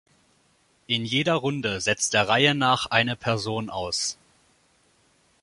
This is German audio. In jeder Runde setzt der Reihe nach eine Person aus.